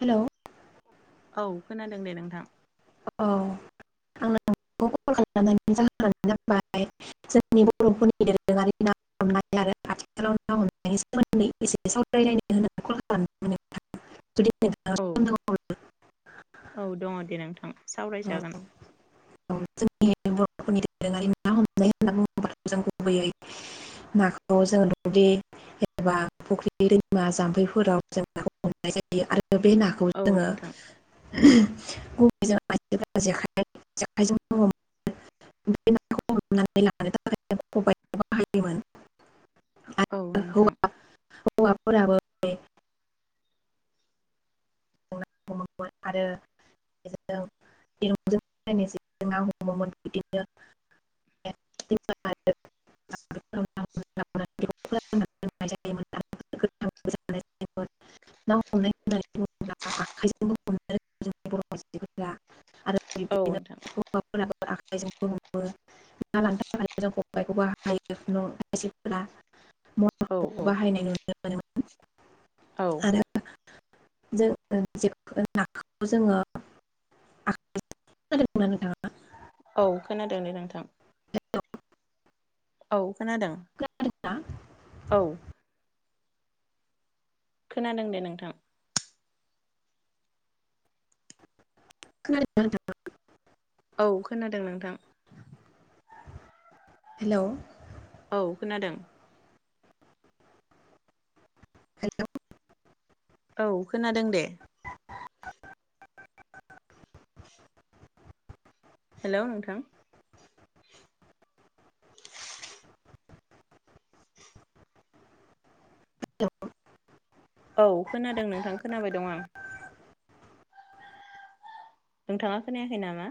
हेल'। औ खोनादों दे नोंथां। औ आं नोंखौ कल खालामनि जाहोनना जाबाय जोंनि बर'फोरनि दोरोङारि ना हमनाय आरो आथिखालाव ना हमनायनि सोमोन्दै एसे सावरायलायनो होननानै कल खालामदोंमोन नोंथां। जुदि नोंथां औ सम दंब्ला औ दङ। दे नोंथां सावरायजागोन। बर'फोनि दोरोङारि ना हमनाय होनना बुङोब्ला जों गुबैयै नाखौ जोङो दुब्लि एबा फुख्रि दैमा जाम्फैफोराव जों नाखौ हमनाय जायो आरो बे नाखौ औ जोङो नोंथां [inaudible] [unintelligible] औ नोंथां। औवा पोराबो [unintelligible] आखाइजोंबो हमनो र जोंनि बर मफोरा आरो औ बिदिनो नोंथां हौवाफोराबो आखाइजोंबो हमो ना लानोथ जों खबबायखौ बाहायो न' खायफोरा औ म बाहायनाय नुनो मोनोमोन औ आरो जों। [unintelligible] औ खोनादों दै नोंथां। हेल' औ। खोनादों खोनादोंना औ। खोनादों दे नोंथां। खोनादो ना नोथां। औ खोनादों नोंथां। हेल' औ खोनादों। हेल' औ खोनादों दे। हेल' नोंथां। [unintelligible] औ खोनादों नोंथां खोनाबाय दं आं। नोंथाङा खोनायाखै नामा।